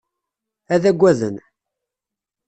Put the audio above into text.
Ad agaden.